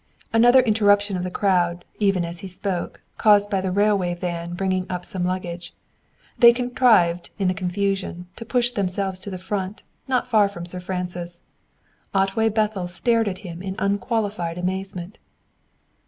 Another interruption of the crowd, even as he spoke, caused by the railway van bringing up some luggage. They contrived, in the confusion, to push themselves to the front, not far from Sir Francis. Otway Bethel stared at him in unqualified amazement.